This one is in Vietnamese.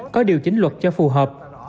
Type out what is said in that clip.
có điều chính luật cho phù hợp